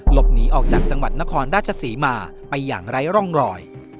หลบหนีออกจากจังหวัดนครราชศรีมาไปอย่างไร้ร่องรอย